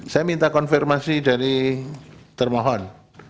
saya minta konfirmasi dari termohon